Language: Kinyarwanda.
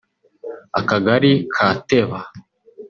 Akagari ka Teba